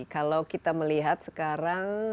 kalau kita melihat sekarang